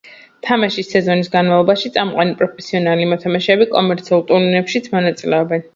თამაშის სეზონის განმავლობაში წამყვანი პროფესიონალი მოთამაშეები კომერციულ ტურნირებშიც მონაწილეობენ.